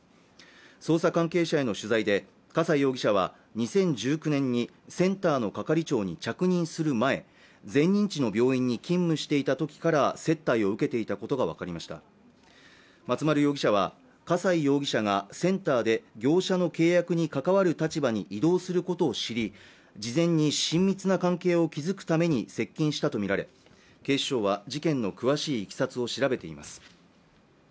捜査関係者への取材で笠井容疑者は２０１９年にセンターの係長に着任する前前任地の病院に勤務していた時から接待を受けていたことが分かりました松丸容疑者は笠井容疑者がセンターで業者の契約に関わる立場に移動することを知り事前に親密な関係を築く為に接近したと見られ警視庁は事件の詳しいいきさつを調べています